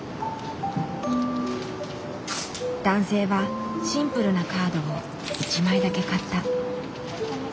男性はシンプルなカードを一枚だけ買った。